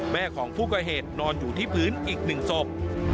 แม่ของผู้ก่อเหตุนอนอยู่ที่พื้นอีก๑ศพ